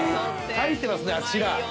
書いてますねあちら。